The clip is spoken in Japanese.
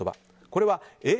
これは、え？